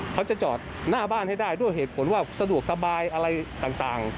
เขาจะจอดหน้าบ้านให้ได้ด้วยเหตุผลว่าสะดวกสบายอะไรต่าง